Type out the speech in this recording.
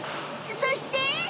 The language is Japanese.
そして？